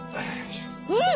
うん！